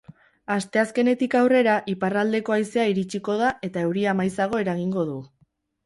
Asteazkenetik aurrera, iparraldeko haizea iritsiko da eta euria maizago eragingo du.